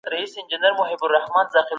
جنګونه د وحشت نښه ده.